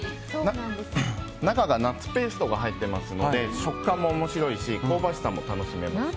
中がナッツペーストが入ってますので食感も面白いし香ばしさも楽しめます。